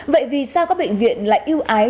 vậy vì sao các bệnh viện lại yêu ái